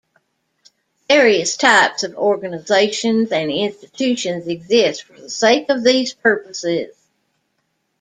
Various types of organizations and institutions exist for the sake of these purposes.